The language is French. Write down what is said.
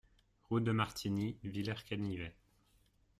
Route de Martigny, Villers-Canivet